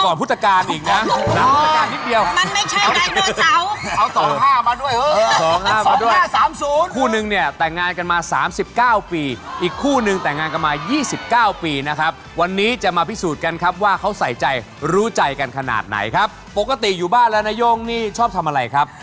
ก่อนพุทธกาลอีกนะหลังพุทธกาลนิดเดียวมันไม่ใช่ได้เนื้อเต๋าเอาสองห้ามาด้วยสองห้าสามศูนย์คู่หนึ่งเนี่ยแต่งงานกันมาสามสิบเก้าปีอีกคู่หนึ่งแต่งงานกันมายี่สิบเก้าปีนะครับวันนี้จะมาพิสูจน์กันครับว่าเขาใส่ใจรู้ใจกันขนาดไหนครับปกติอยู่บ้านแล้วนายงนี่ชอบทำอะไรครับ